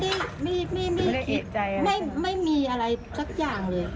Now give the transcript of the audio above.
หนูก็ไม่ได้ไม่มีอะไรสักอย่างเลย